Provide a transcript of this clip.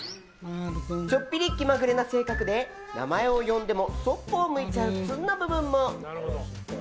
ちょっぴり気まぐれな性格で名前を呼んでもそっぽを向いちゃうツンな部分も。